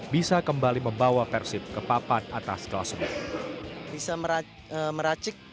bisa kembali membawa persib ke papan atas kelas ini